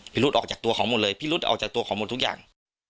รุดออกจากตัวเขาหมดเลยพิรุษออกจากตัวเขาหมดทุกอย่าง